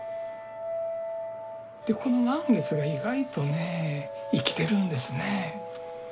でこの満月が意外とね生きてるんですね。